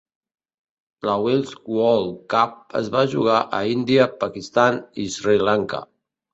La Wills World Cup es va jugar a Índia, Pakistan i Sri Lanka.